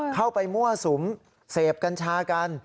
เข้าไปมั่วสุมเสพกัญชากัน